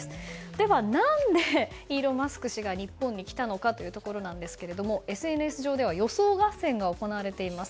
では、何でイーロン・マスク氏が日本に来たのかというところですがＳＮＳ上では予想合戦が行われています。